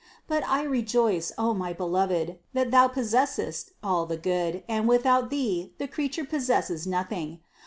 But I rejoice, O my Beloved, that Thou possessest all the good, and without Thee, the creature possesses noth ing.